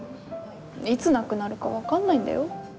いつなくなるか分かんないんだよ？